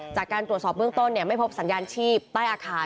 จากการตรวจสอบเบื้องต้นไม่พบสัญญาณชีพใต้อาคาร